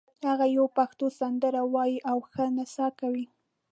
هغه یوه پښتو سندره وایي او ښه نڅا کوي